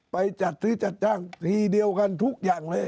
จัดซื้อจัดจ้างทีเดียวกันทุกอย่างเลย